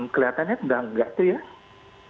kelihatannya tidak terlihat